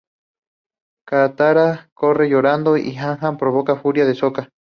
Katara corre llorando, y Aang provoca furia en Sokka.